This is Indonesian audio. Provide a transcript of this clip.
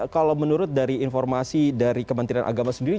kalau menurut dari informasi dari kementerian agama sendiri